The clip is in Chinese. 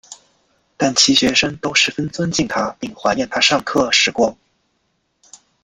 但其学生都十分尊敬他并怀念他上课时光。